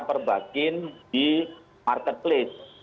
perbakin di marketplace